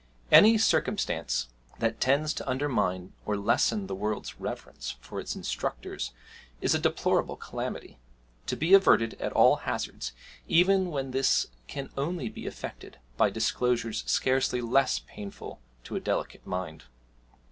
Any circumstance that tends to undermine or lessen the world's reverence for its instructors is a deplorable calamity, to be averted at all hazards, even when this can only be effected by disclosures scarcely less painful to a delicate mind.